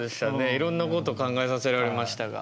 いろんなこと考えさせられましたが。